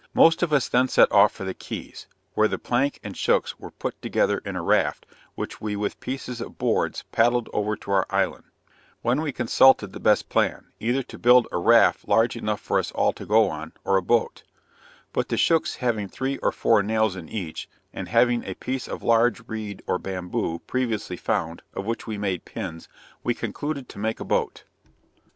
Most of us then set off for the Keys, where the plank and shooks were put together in a raft, which we with pieces of boards paddled over to our island; when we consulted the best plan, either to build a raft large enough for us all to go on, or a boat; but the shooks having three or four nails in each, and having a piece of large reed or bamboo, previously found, of which we made pins, we concluded to make a boat.